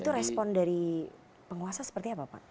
itu respon dari penguasa seperti apa pak